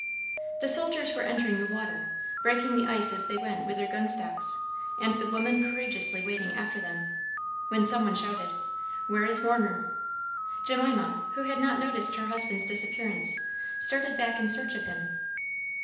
The soldiers were entering the water, breaking the ice as they went with their gun stocks, and the women courageously wading after them, when some one shouted, "Where is Warner?" Jemima, who had not noticed her husband's disappearance, started back in search of him.